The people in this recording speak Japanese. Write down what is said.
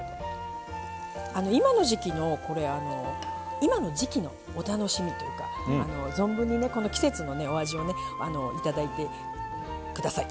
今の時季のこれあの今の時季のお楽しみというか存分にねこの季節のお味をね頂いてください。